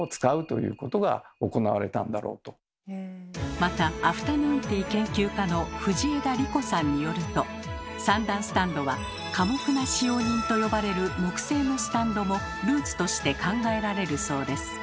またアフタヌーンティー研究家の藤枝理子さんによると三段スタンドは「寡黙な使用人」と呼ばれる木製のスタンドもルーツとして考えられるそうです。